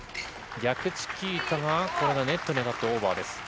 逆チキータが、これがネットに当たってオーバーです。